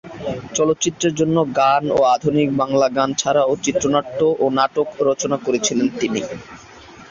চলচ্চিত্রের জন্য গান ও আধুনিক বাংলা গান ছাড়াও চিত্রনাট্য ও নাটক রচনা করেছেন তিনি।